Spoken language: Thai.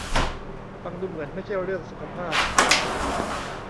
ฟังดูเหมือนไม่ใช่เรื่องสุขภาพ